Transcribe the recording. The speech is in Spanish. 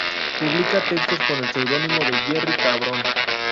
Publica textos con el seudónimo de Jerry Cabrón.